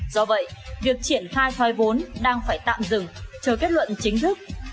do vậy việc triển khai thoái vốn đang phải tạm dừng chờ kết luận chính thức